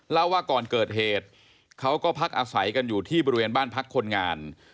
เล่าว่าก่อนเกิดเหตุเขาก็พักอาศัยกันอยู่ที่บริเวณบ้านพักคนงาน